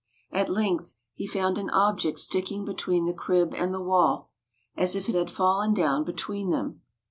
At length he found an object sticking between the crib and the wall, as if it had fallen down between them.